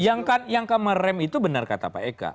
yang kamerem itu benar kata pak eka